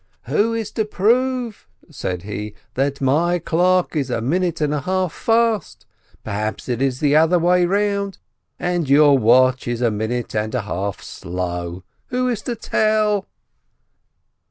"Who is to prove," said he, "that my clock is a minute and a half fast ? Perhaps it is the other way about, and your watch is a minute and a half slow? Who is to tell?"